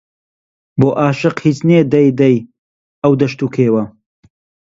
بۆ ئاشق هیچ نێ دەی دەی ئەو دەشت و کێوە